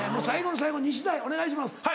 最後の最後西代お願いします。